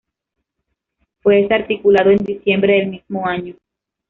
Fue desarticulado en diciembre del mismo año.